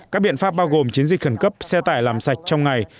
các biện pháp bao gồm chiến dịch khẩn cấp xe tải làm sạch trong ngày